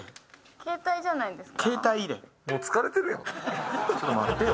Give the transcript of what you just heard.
携帯じゃないですか？